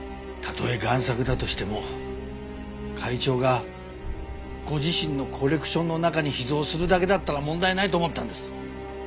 たとえ贋作だとしても会長がご自身のコレクションの中に秘蔵するだけだったら問題ないと思ったんです。